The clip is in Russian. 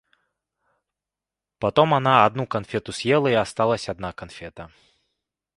Потом она одну конфету съела и осталась одна конфета.